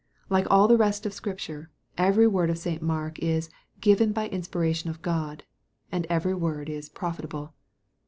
Like all the rest of Scripture, every word of St. Mark is " given by inspiration of God," and every word is " profitable."